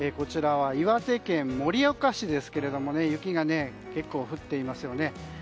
岩手県盛岡市ですけれども雪が結構降っていますよね。